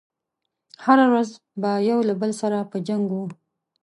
هره ورځ به يو له بل سره په جنګ و.